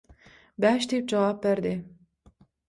Bäş diýip jogap berdi.